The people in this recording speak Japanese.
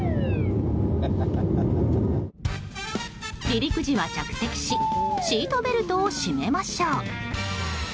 離陸時は着席しシートベルトを締めましょう。